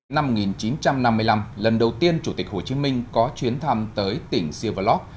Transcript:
năm một nghìn chín trăm năm mươi năm lần đầu tiên chủ tịch hồ chí minh có chuyến thăm tới tỉnh sivalok